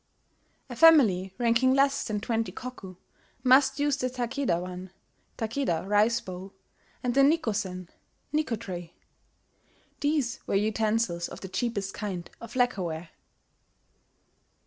... "A family ranking less than 20 koku must use the Takeda wan (Takeda rice bowl), and the Nikko zen (Nikko tray).".. (These were utensils of the cheapest kind of lacquer ware.)